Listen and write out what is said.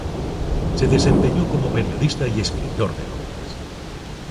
Se desempeñó como periodista y escritor de novelas.